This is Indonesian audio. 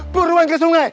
buruan ke sungai